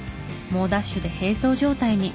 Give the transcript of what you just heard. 猛ダッシュで並走状態に。